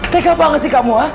tegak banget sih kamu ha